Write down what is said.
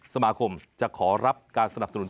สมาคมจะขอรับการสนับสนุน